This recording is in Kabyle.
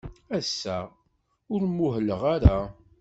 Ass-a, ur muhleɣ ara.